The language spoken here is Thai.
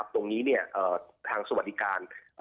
ตรงนี้ทางสวัสดิการ